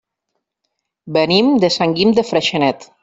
Venim de Sant Guim de Freixenet.